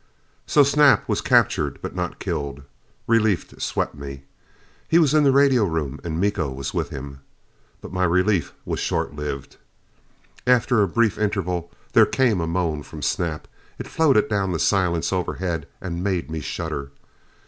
So Snap was captured but not killed. Relief swept me. He was in the radio room and Miko was with him. But my relief was short lived. After a brief interval, there came a moan from Snap. It floated down the silence overhead and made me shudder.